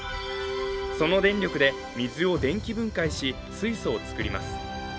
その電力で水を電気分解し水素を作ります。